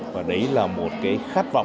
và đấy là một cái khát vọng